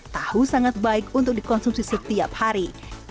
tahu sangat baik untuk dikonsumsi setiap hari